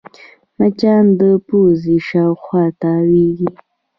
مچان د پوزې شاوخوا تاوېږي